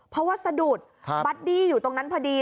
เพราะว่าสะดุดบัดดี้อยู่ตรงนั้นพอดี